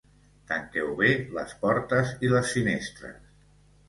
Tanqueu bé les portes i les finestres.